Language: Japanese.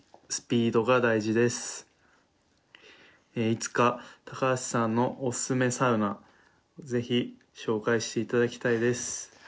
いつか高橋さんのおすすめサウナ是非紹介していただきたいです。